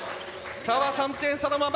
差は３点差のまま。